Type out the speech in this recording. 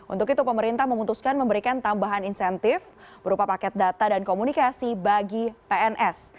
untuk itu pemerintah memutuskan memberikan tambahan insentif berupa paket data dan komunikasi bagi pns